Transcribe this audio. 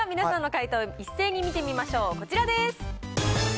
皆さんの解答、一斉に見てみましょう、こちらです。